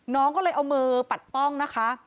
น้องก็เลยเอามือปัดป้องนะคะ